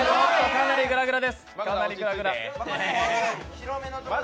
かなりグラグラ。